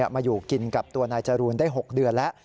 มาอยู่กินกับตัวนายจรูนได้๖เดือนแล้ว